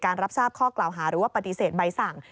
รับทราบข้อกล่าวหาหรือว่าปฏิเสธใบสั่ง